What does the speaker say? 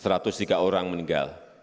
seratus tiga orang meninggal